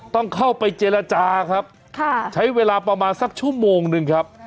ต้องเข้าไปเจรจาครับใช้เวลาประมาณสักชั่วโมงหนึ่งครับ